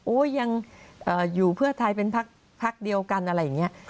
ยังอยู่เพื่อไทยเป็นพักเดียวกันอะไรอย่างนี้